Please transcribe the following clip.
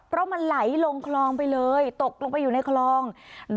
เพราะมันไหลลงคลองไปเลยตกลงไปอยู่ในคลอง